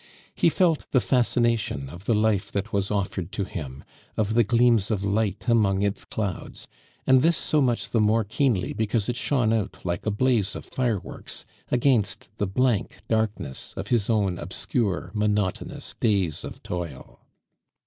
He felt the fascination of the life that was offered to him, of the gleams of light among its clouds; and this so much the more keenly because it shone out like a blaze of fireworks against the blank darkness of his own obscure, monotonous days of toil.